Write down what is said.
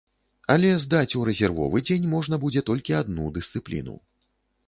Але здаць у рэзервовы дзень можна будзе толькі адну дысцыпліну.